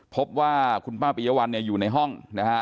พบว่าคุณป้าปียวัลอยู่ในห้อง